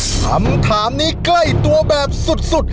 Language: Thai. คำถามนี้ใกล้ตัวแบบสุด